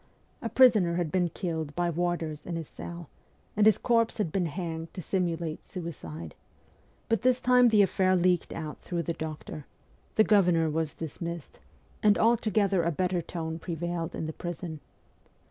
A prisoner had been killed by warders in his cell, and his corpse had been hanged to simulate suicide; but this time the affair leaked out through the doctor ; the governor was dismissed, and altogether a better tone prevailed in the prison.